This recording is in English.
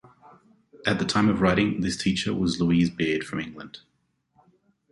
At the time of writing, this teacher was Louise Beard from England.